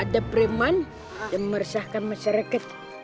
ada preman yang meresahkan masyarakat